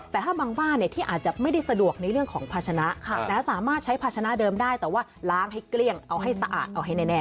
แต่ถ้าบางบ้านที่อาจจะไม่ได้สะดวกในเรื่องของภาชนะสามารถใช้ภาชนะเดิมได้แต่ว่าล้างให้เกลี้ยงเอาให้สะอาดเอาให้แน่